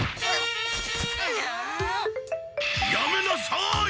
やめなさい！